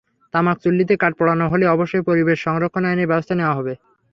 তামাক চুল্লিতে কাঠ পোড়ানো হলে অবশ্যই পরিবেশ সংরক্ষণ আইনে ব্যবস্থা নেওয়া হবে।